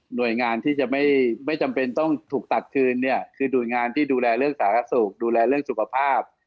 โดยงานที่จะไม่จำเป็นต้องถูกตัดคืนเนี่ยคือหน่วยงานที่ดูแลเรื่องสาธารณสุขดูแลเรื่องสุขภาพ